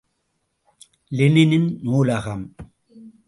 Lenin நூலகம் ….